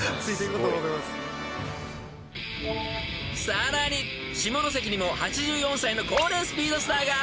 ［さらに下関にも８４歳の高齢スピードスターが］